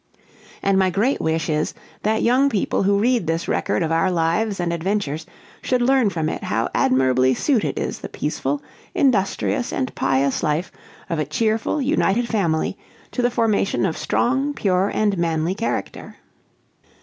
And my great wish is, that young people who read this record of our lives and adventures should learn from it how admirably suited is the peaceful, industrious, and pious life of a cheerful, united family, to the formation of strong, pure, and manly character.